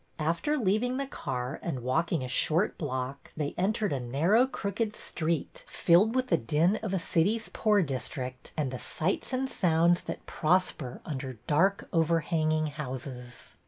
After leaving the car and walking a short block, they entered a narrow, crooked street filled with 176 BETTY BAIRD'S VENTURES the din of a city's poor district and the sights and sounds that prosper under dark, overhanging houses.